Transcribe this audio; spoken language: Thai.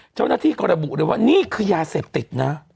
เจ้านักที่กระบูเลยว่านี่คือยาสาเหตุติดนะ